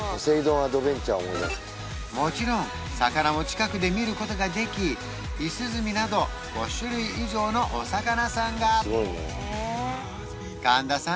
もちろん魚も近くで見ることができイスズミなど５種類以上のお魚さんが神田さん